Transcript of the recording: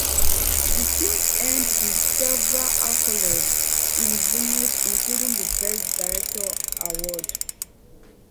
The film earned him several accolades in Venice including the Best Director award.